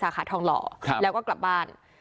ขาทองหล่อแล้วก็กลับบ้าน